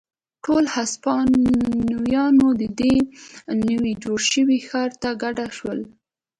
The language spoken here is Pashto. ټول هسپانویان دې نوي جوړ شوي ښار ته کډه شول.